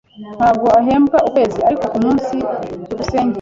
Ntabwo ahembwa ukwezi, ariko kumunsi. byukusenge